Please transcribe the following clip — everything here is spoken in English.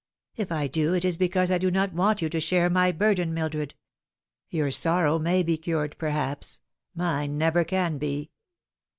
" If I do it is because I do not want you to share my burden, Mildred. Your sorrow may be cured perhaps mine never can be.